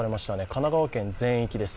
神奈川県全域です。